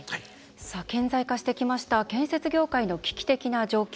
顕在化してきました建設業界の危機的な状況。